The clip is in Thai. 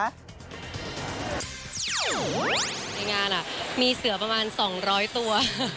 ในงานมีเสือประมาณ๒๐๐ตัว